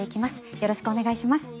よろしくお願いします。